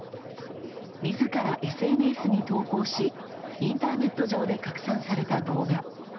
自らＳＮＳに投稿しインターネット上で拡散された動画。